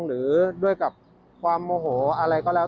หรือด้วยกับความโมโหอะไรก็แล้ว